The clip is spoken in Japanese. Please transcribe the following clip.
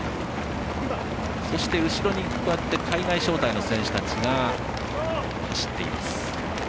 そして、後ろに海外招待の選手たちが走っています。